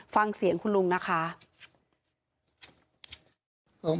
ฟังเสียงคุณลุงนะคะ